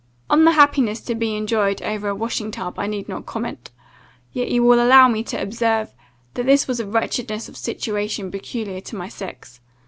On the happiness to be enjoyed over a washing tub I need not comment; yet you will allow me to observe, that this was a wretchedness of situation peculiar to my sex.